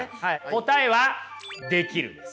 答えはできるんです。